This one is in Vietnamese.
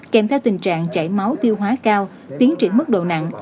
kèm theo tình trạng chảy máu tiêu hóa cao tiến triển mức độ nặng